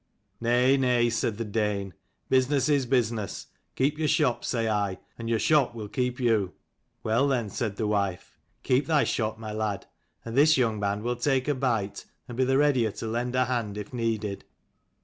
"Nay, nay," said the Dane: "business is business. Keep your shop, say I, and your shop will keep you." " Well then," said the wife, " keep thy shop, my lad, and this young man will take a bite, and be the readier to lend a hand if needed."